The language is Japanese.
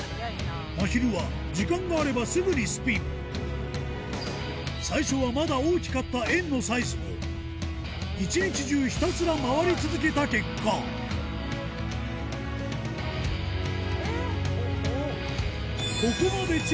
まひるは時間があればすぐにスピン最初はまだ大きかった円のサイズも一日中ひたすら回り続けた結果えっ！